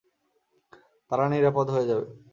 তারা নিরাপদ হয়ে যাবে।